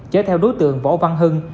chở theo đối tượng võ văn hưng